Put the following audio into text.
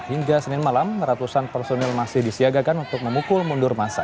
hingga senin malam ratusan personil masih disiagakan untuk memukul mundur masa